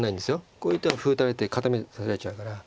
こういう手は歩打たれて固めさせられちゃうから。